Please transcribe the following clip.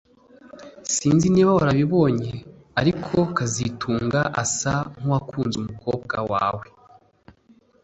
Sinzi niba warabibonye ariko kazitunga asa nkuwakunze umukobwa wawe